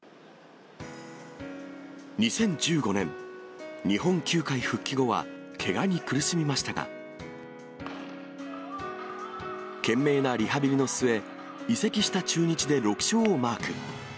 ２０１５年、日本球界復帰後は、けがに苦しみましたが、懸命なリハビリの末、移籍した中日で６勝をマーク。